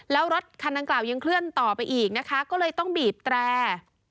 แล้วรถคันดังกล่าวยังเคลื่อนต่อไปอีกนะคะก็เลยต้องบีบแตร